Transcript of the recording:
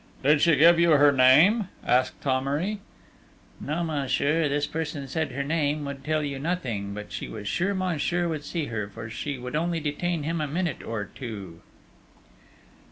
"Did she give you her name?" asked Thomery. "No, monsieur, this person said her name would tell you nothing; but she was sure monsieur would see her, for she would only detain him a minute or two...."